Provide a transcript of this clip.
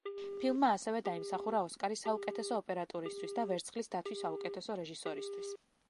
ფილმმა ასევე დაიმსახურა ოსკარი საუკეთესო ოპერატურისთვის და ვერცხლის დათვი საუკეთესო რეჟისორისთვის.